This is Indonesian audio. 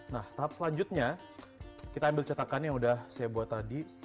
nah tahap selanjutnya kita ambil cetakan yang udah saya buat tadi